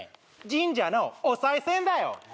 神社のおさい銭だよ